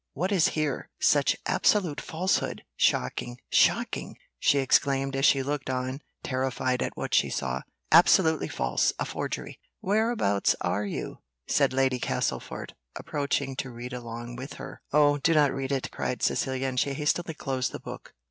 what is here? Such absolute falsehood! Shocking, shocking!" she exclaimed, as she looked on, terrified at what she saw: "Absolutely false a forgery." "Whereabouts are you?" said Lady Castlefort, approaching to read along with her. "Oh, do not read it," cried Cecilia, and she hastily closed the book.